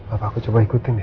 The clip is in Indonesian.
apa aku coba ikutin ya